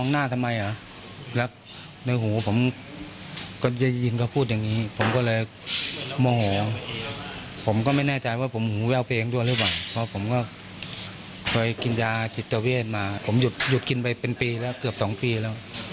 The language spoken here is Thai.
หยุดกินยาจิตเจาเวชมาผมหยุดกินไปเป็นปีแล้วเกือบสองปีแล้ว